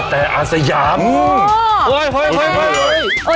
กะแทอาสยามโอ้โห